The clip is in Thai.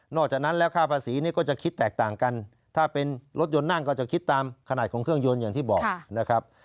จากนั้นแล้วค่าภาษีนี่ก็จะคิดแตกต่างกันถ้าเป็นรถยนต์นั่งก็จะคิดตามขนาดของเครื่องยนต์อย่างที่บอกนะครับ